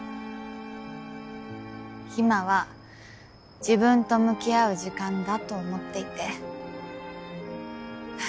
今は自分と向き合う時間だと思っていて。